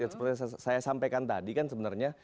seperti yang saya sampaikan tadi kan sebenarnya